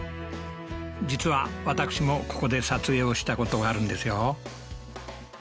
実は私もここで撮影をしたことがあるんですよ